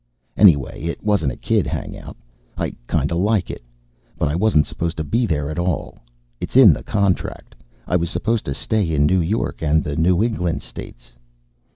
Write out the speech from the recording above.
Anyway, it wasn't a kid hangout. I kind of like it. But I wasn't supposed to be there at all; it's in the contract. I was supposed to stay in New York and the New England states.